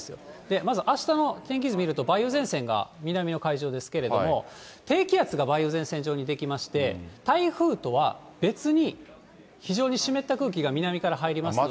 まずあしたの天気図見ると、梅雨前線が南の海上ですけれども、低気圧が梅雨前線上に出来てまして、台風とは別に、非常に湿った空気が南から入りまして。